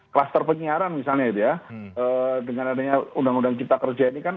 kluster penyiaran misalnya itu ya dengan adanya undang undang cipta kerja ini kan